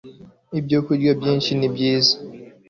ibyokurya byinshi ni byiza